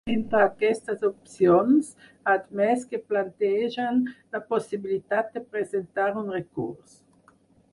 Entre aquestes opcions, ha admès que plantegen la possibilitat de presentar un recurs.